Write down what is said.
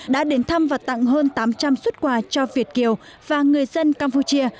đã đến thăm và tặng hơn tám trăm linh xuất quà cho việt kiều và người dân campuchia